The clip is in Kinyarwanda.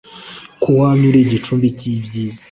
ko wamye uri igicumbi cy’ibyiza